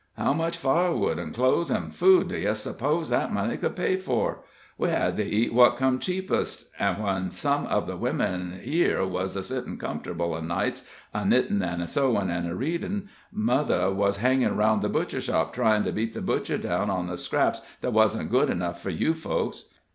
How much firewood an' clothes an' food d'ye suppose that money could pay for? We had to eat what come cheapest, an' when some of the women here wuz a sittin' comfortable o' nights, a knittin' an' sewin' an' readin', mother wuz hangin' aroun' the butchershop, tryin' to beat the butcher down on the scraps that wasn't good enough for you folks.